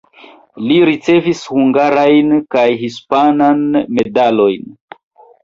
Li ricevis hungarajn kaj hispanan medalojn.